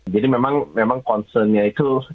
jadi memang concern nya itu